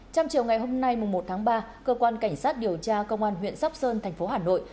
trong chiều ngày hôm nay một tháng ba cơ quan cảnh sát điều tra công an huyện sóc sơn thành phố hà nội